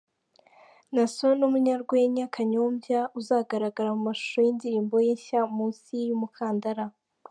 Naason n'munyarwenya Kanyombya uzagaragara mu mashusho y'indirimbo ye nshya Munsi y'umukandara .